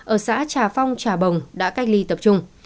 ở xã trà phong trà bồng đã cách ly tập trung